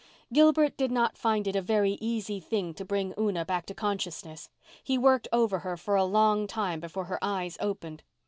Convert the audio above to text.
Gilbert did not find it a very easy thing to bring Una back to consciousness. He worked over her for a long time before her eyes opened.